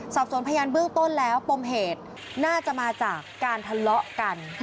สอบสวนพยานเบื้องต้นแล้วปมเหตุน่าจะมาจากการทะเลาะกัน